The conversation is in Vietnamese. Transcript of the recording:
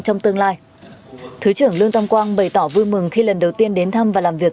trong tương lai thứ trưởng lương tâm quang bày tỏ vui mừng khi lần đầu tiên đến thăm và làm việc